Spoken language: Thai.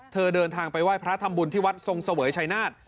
เดินทางไปไหว้พระทำบุญที่วัดทรงเสวยชายนาฏ